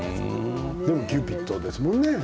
キューピッドですもんね